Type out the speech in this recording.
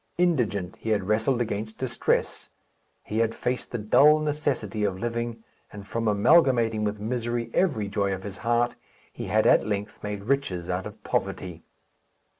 Indigent, he had wrestled against distress, he had faced the dull necessity of living, and from amalgamating with misery every joy of his heart, he had at length made riches out of poverty.